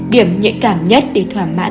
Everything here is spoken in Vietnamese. điểm nhạy cảm nhất để thoải mãn